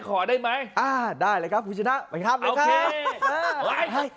โคนปล่ะไม่ใช่แมว